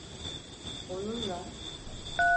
Onunla…